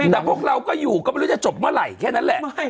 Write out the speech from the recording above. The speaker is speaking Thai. แต่พวกเราก็อยู่ก็ไม่รู้จะจบเมื่อไหร่แค่นั้นแหละ